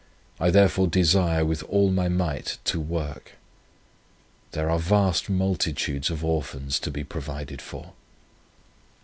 I therefore desire with all my might to work. There are vast multitudes of Orphans to be provided for.